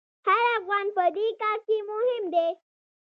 هر افغان په دې کار کې مهم دی.